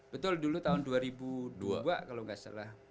betul dulu tahun dua ribu dua kalau nggak salah